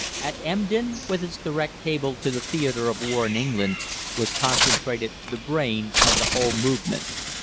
At Emden, with its direct cable to the theatre of war in England, was concentrated the brain of the whole movement.